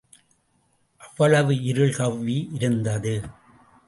அவ்வளவு இருள் கவ்வி இருந்தது.